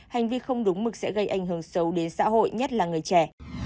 hành vi không đúng mực sẽ gây ảnh hưởng xấu đến xã hội nhất là người trẻ